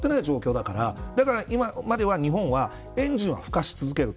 だから今までは、日本はエンジンをふかし続けると。